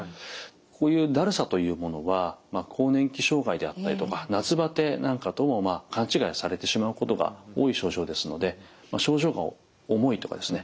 こういうだるさというものは更年期障害であったりとか夏バテなんかとも勘違いされてしまうことが多い症状ですので症状が重いとかですね